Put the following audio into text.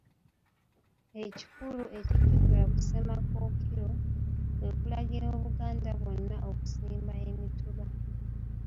Ekikulu ekijjukirwa ku Ssemakookiro, kwe kulagira Obuganda bwonna okusimba emituba.